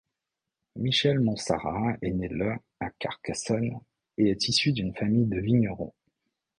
Michel Montsarrat est né le à Carcassonne et est issu d’une famille de vignerons.